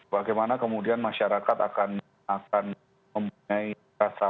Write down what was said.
bagaimana kemudian masyarakat akan mempunyai rasa